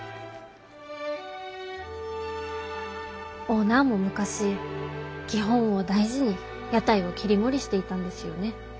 オーナーも昔基本を大事に屋台を切り盛りしていたんですよね。